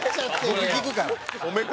僕聞くから。